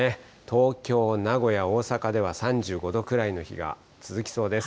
東京、名古屋、大阪では３５度くらいの日が続きそうです。